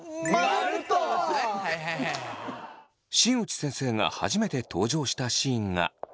新内先生が初めて登場したシーンがこちら。